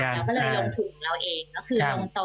เราก็เลยลงทุนเราเองก็คือลงทุนหุ้นเป็นรายตัว